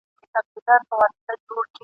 لکه د ښایستو رنګونو په ترکیب کي!.